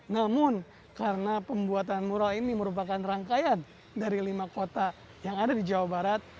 namun karena pembuatan mural ini merupakan rangkaian dari lima kota yang ada di jawa barat